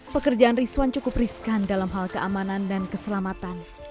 pekerjaan rizwan cukup riskan dalam hal keamanan dan keselamatan